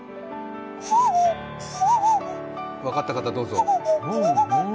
分かった方、どうぞ。